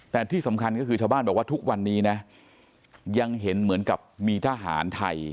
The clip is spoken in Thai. แต่ที่สำคัญก็คือชาวบ้านบอกว่าทุกวันนี้นะยังเห็นเหมือนกับมีทหารไทย